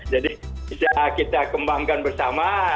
jadi bisa kita kembangkan bersama